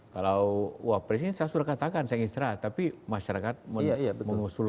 kalau presiden saya sudah katakan saya ingin istirahat tapi masyarakat mengusulkan